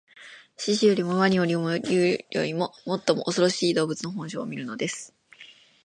獅子よりも鰐よりも竜よりも、もっとおそろしい動物の本性を見るのです